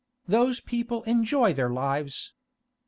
Those people enjoy their lives.